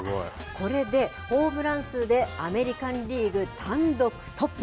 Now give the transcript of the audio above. これでホームラン数で、アメリカンリーグ単独トップ。